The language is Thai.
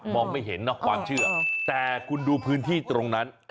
ไม่เห็นเนาะความเชื่อแต่คุณดูพื้นที่ตรงนั้น